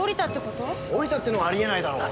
降りたっていうのはあり得ないだろう。